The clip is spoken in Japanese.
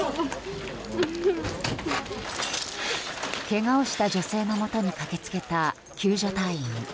けがをした女性のもとに駆け付けた救助隊員。